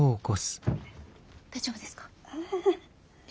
大丈夫ですか？